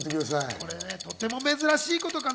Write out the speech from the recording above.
これ、とても珍しいことかな。